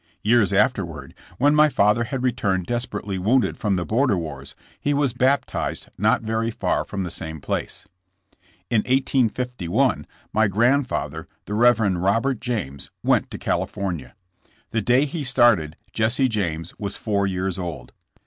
Years afterward, when my father had returned desperately wounded from the border wars, he was baptized not very far from the same place. In 1851 my grandfather, the Rev. Robert James, went to California. The day he started, Jesse James was four years old.